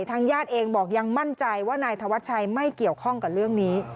ทางญาติเองบอกยังมั่นใจว่านายธวัชชัยไม่เกี่ยวข้องกับเรื่องนี้